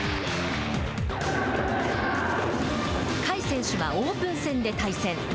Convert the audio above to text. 甲斐選手はオープン戦で対戦。